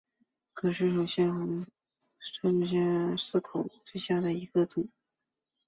葛氏似口虾蛄为虾蛄科似口虾蛄属下的一个种。